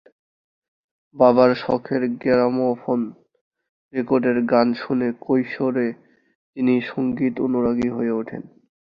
বাবার শখের গ্রামোফোন রেকর্ডের গান শুনে কৈশোরে তিনি সঙ্গীত অনুরাগী হয়ে উঠেন।